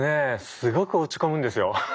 すごく落ち込むんですよ。